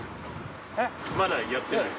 まだやってないです。